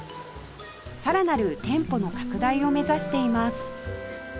さらなる店舗の拡大を目指しています